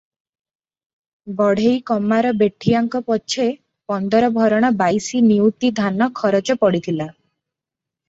ବଢ଼େଇ, କମାର ବେଠିଆଙ୍କ ପଛେ ପନ୍ଦର ଭରଣ ବାଇଶି ନଉତି ଧାନ ଖରଚ ପଡିଥିଲା ।